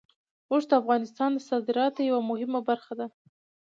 اوښ د افغانستان د صادراتو یوه مهمه برخه ده.